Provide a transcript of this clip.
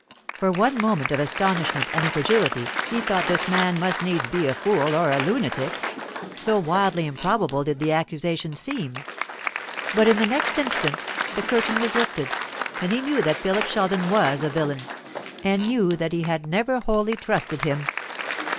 For one moment of astonishment and incredulity he thought this man must needs be a fool or a lunatic, so wildly improbable did the accusation seem. But in the next instant the curtain was lifted, and he knew that Philip Sheldon was a villain, and knew that he had never wholly trusted him.